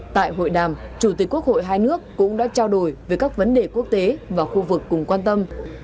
tại hội đàm chủ tịch quốc hội hai nước cũng đã trao đổi về các vấn đề quốc tế và khu vực cùng quan tâm